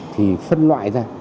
thì phân loại ra